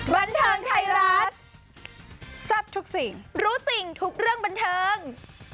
บันเทิงไทยรัฐทรัพย์ทุกสิ่งรู้จริงทุกเรื่องบันเทิง